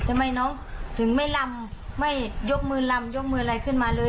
ทำไมน้องถึงไม่ลำไม่ยกมือลำยกมืออะไรขึ้นมาเลย